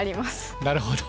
なるほど。